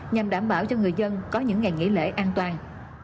nhằm đảm bảo cho người dân có những ngày nghỉ lễ an toàn